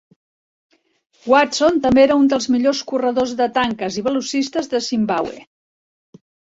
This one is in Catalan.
Watson també era un dels millors corredor de tanques i velocistes de Zimbabwe.